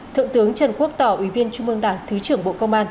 thượng tướng trần quốc tỏ ủy viên trung mương đảng thứ trưởng bộ công an